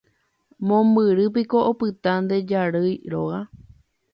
Mombyrýpiko opyta nde jarýi róga.